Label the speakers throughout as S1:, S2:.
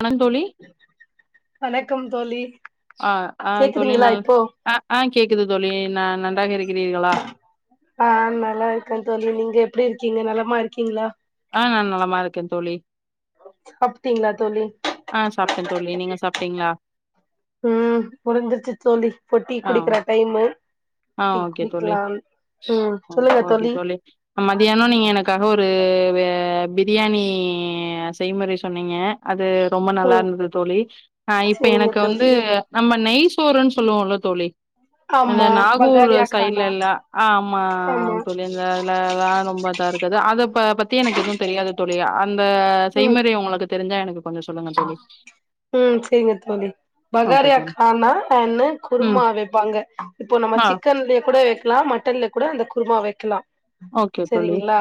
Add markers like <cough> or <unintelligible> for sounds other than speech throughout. S1: ஆமாங் தோழி
S2: வணக்கம் தோழி
S1: ஆ ஆ தோழி
S2: கேக்குதுங்களா
S1: நல்
S2: இப்போ
S1: அ ஆ கேக்குது தோழி ந நன்றாக இருக்கிறீர்களா
S2: ஆ நல்லா இருக்க தோழி நீங்க எப்டி இருக்கீங்க நலமா இருக்கீங்ளா
S1: ஆ நான் நல்லமா இருக்கேன் தோழி
S2: சாப்டிங்ளா தோழி
S1: ஆ சாப்ட்டே தோழி நீங்க சாப்ட்டீங்களா
S2: ம் முடிஞ்சுர்ச்சி தோழி இப்ப டீ
S1: ஆ
S2: குடிக்கிற டைமு
S1: ஆ
S2: டீ
S1: ஓகே தோழி
S2: குடிக்கலாம் ம்
S1: ஓ
S2: சொல்லுங்க
S1: ஓகே
S2: தோழி
S1: மதியானோ நீங்க எனக்காக ஒரு பி பிரியாணி அ செய்முறை சொன்னீங்க அது ரொம்ப நல்லா
S2: ம்
S1: இருந்தது தோழி ஆ இப்ப
S2: செரிங்க
S1: எனக்கு வந்து
S2: தோழி
S1: நம்ம நெய் சோறுன்னு சொல்லுவோம்ல தோழி
S2: ஆமா பட்
S1: குள் சைட்லல்லா ஆ ஆமா
S2: ஆமா
S1: தோழி இந்த இதெல்லா ரொம்பா இதா இருக்குது அத ப பத் தி எனக்கு எதுவும் தெரியாது தோழி அந்த
S2: ம்
S1: செய்மறை உங்களுக்கு தெரிஞ்சா எனக்கு கொஞ்சோ சொல்லுங்க தோழி
S2: ம் செரிங்க தோழி
S1: ஓகே
S2: பகாரியா
S1: தோழி
S2: கானா என்ன
S1: ம்
S2: குருமா வை ப்பாங்க இப்போ நம்ம
S1: ஆ
S2: சிக்கன்லேயே கூட வெக்கலா மட்டன்ல கூட அந்த குருமா வெக்கலா
S1: ஓகே தோழி
S2: செரிங்ளா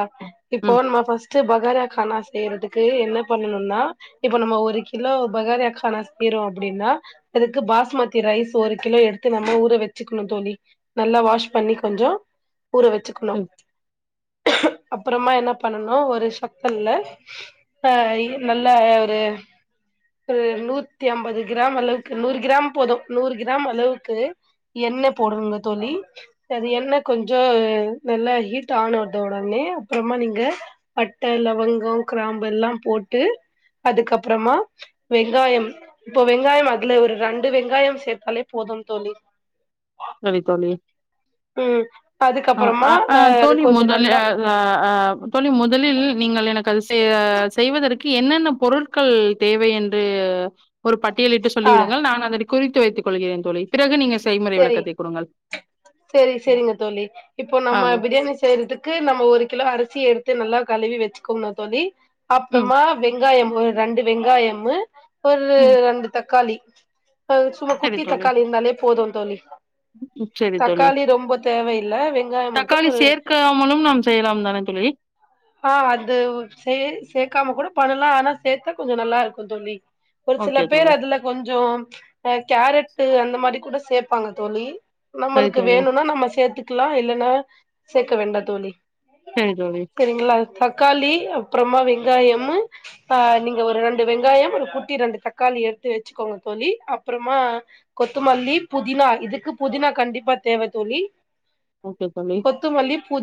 S2: இப்போ
S1: ம்
S2: நம்ம ஃபர்ஸ்ட் பகாரா கானா செய்யறதுக்கு என்ன பண்ணணும்னா இப்ப நம்ம ஒரு கிலோ பகாரியா கானா செய்றோம் அப்டின்னா அதுக்கு பாஸ்மதி ரைஸ் ஒரு கிலோ எடுத்து நம்ம ஊற வச்சுக்கணும் தோழி நல்லா வாஷ் பண்ணி கொஞ்சோ ஊற வச்சுக்கணு
S1: ம்
S2: அப்பறமா என்ன பண்ணனும் ஒரு சத்தல்ல ஆ இது நல்லா ஒரு ஒரு நூத்தி ஐம்பது கிராம் அளவுக்கு நூறு கிராம் போதும் நூறு கிராம் அளவுக்கு எண்ண போடுனுங்க தோழி அது எண்ணெய் கொஞ்சோ நல்லா ஹீட் ஆன் வருது உடனே அப்புறமா நீங்க பட்ட லவங்கொ கிராம்பு எல்லா போட்டு அதுக்கப்றமா வெங்காயம் இப்போ வெங்காயம் அதுல ஒரு ரெண்டு வெங்காயம் சேத்தாலே போதும் தோழி
S1: தோழி தோழி
S2: ம்
S1: ஆ
S2: அதுக்கப்புறமா
S1: ஆ ஆ
S2: அ அது
S1: தோழி
S2: கொஞ்சோ
S1: முதல்ல
S2: நல்லா
S1: ஆ ஆ தோழி முதலில் நீங்கள் எனக்கு அது செ செய்வதற்கு என்னென்ன பொருள் க்கு தேவை என்று ஒரு பட் டியலிட்டு
S2: ஆ
S1: சொல்லிவிடுங்கள் நான் அதை குறித்து வைத்துக் கொள்கிறேன் தோழி பிறகு நீங்க செய்முறை விளக்
S2: றேன் சேரி சேரிங்க தோழி இப்போ
S1: ஆ
S2: நம்ம பிரியாணி செய்யறதுக் க்கு நம்ம ஒரு கிலோ அரிசி எடுத்து நல்லா கழுவி வச்சுக்கோம தோழி
S1: ம்
S2: அப்பறமா வெங்காயம் போ ரெண்டு வெங்காயமு ஒரு
S1: ம்
S2: ரெண்டு தக்காளி அ சும்மா
S1: சரி
S2: குட்டி
S1: தோழி
S2: தக்காளி இருந்தாலே போது தோழி
S1: ம் சரி தோழி
S2: தக்காளி ரொம்ப தேவயில்ல வெங்காய மட்டு ஒரு
S1: <unintelligible> நம் செய்யலா தானே தோழி
S2: ஆ அது சேக் சேக்காம கூட பண்ணலா ஆனா சேத்தா கொஞ்சோ நல்லா இருக்கு தோழி ஒரு சில
S1: ஓகே
S2: பேரு
S1: தோழி
S2: அதுல கொஞ்சோ அ கேரட்டு அந்த மாதிரி கூட சேப்பாங்க தோழி
S1: சரி
S2: நம்மளுக்கு
S1: தோழி
S2: வேணுனா நம்ம சேத்துக்கலா இல்லனா சேக்க வேண்டா தோழி
S1: செரி தோழி
S2: செரிங்ளா தக்காளி அப்றமா வெங்காயம்மு ஆ நீங்க ஒரு ரெண்டு வெங்காய ஒரு குட்டி ரெண்டு தக்காளி எடுத்து வச்சுக்கோங்க தோழி அப்பறமா கொத்துமல்லி புதினா இதுக்கு புதினா கண்டிப்பா தேவ தோழி
S1: ஓகே தோழி
S2: கொத்து மல்லி புதி